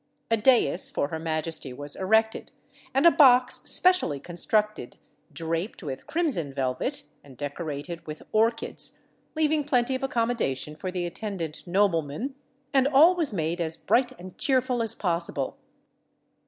A dais for her majesty was erected and a box specially constructed draped with crimson velvet and decorated with orchids, leaving plenty of accommodation for the attendant noblemen, and all was made as bright and cheerful as possible.